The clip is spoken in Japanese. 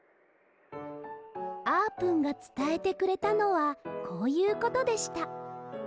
あーぷんがつたえてくれたのはこういうことでした。